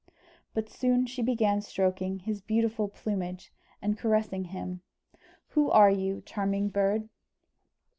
But soon she began stroking his beautiful plumage, and caressing him. "Who are you, charming bird?"